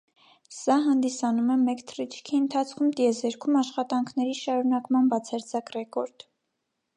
Սա հանդիսանում է մեկ թռիչքի ընթացքում տիեզերքում աշխատանքների շարունակման բացարձակ ռեկորդ։